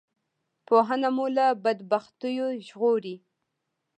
پوهنه مو له بدبختیو ژغوری